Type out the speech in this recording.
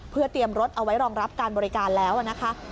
เพื่อเตรียมรถเอาไว้รองรับการบริการแล้วนะคะ